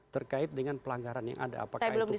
terkait dengan pelanggaran yang ada apakah itu